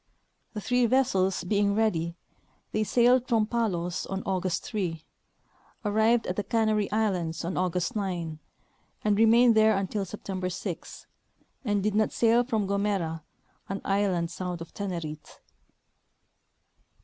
The three vessels being ready, they sailed from Palos on August 3, arrived at the Canary islands on August 9, and re mained there until September 6, and did not sail from Gomera, an island south of Tenerite.